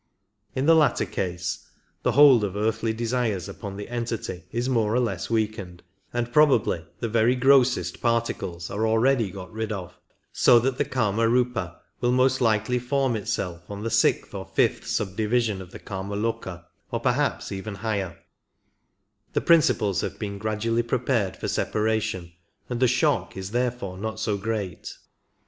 In the latter case the hold of earthly desires upon the entity is more or less weakened, and probably the very grossest particles are already got rid of, so that the K^marSpa will most likely form itself on the sixth or fifth subdivision of 39 the K^maloka, or perhaps even higher ; the principles have been gradually prepared for separation, and the shock is therefore not so great.